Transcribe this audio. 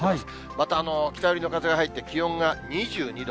また北寄りの風が入って、気温が２２度。